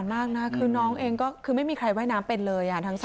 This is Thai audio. แล้วน้องอีกคนหนึ่งจะขึ้นปรากฏว่าต้องมาจมน้ำเสียชีวิตทั้งคู่